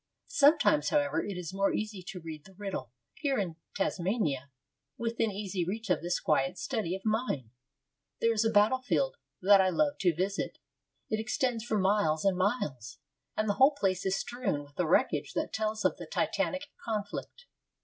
Sometimes, however, it is more easy to read the riddle. Here in Tasmania, within easy reach of this quiet study of mine, there is a battle field that I love to visit. It extends for miles and miles, and the whole place is strewn with the wreckage that tells of the titanic conflict.